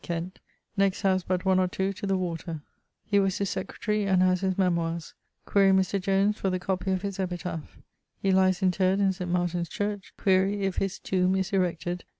Kent, next house but one or two to the water: he was his secretary and has his memoires. Quaere Mr. Jones for the copie of his epitaph. He lies interred in St. Martin's church: quaere if his tombe is erected.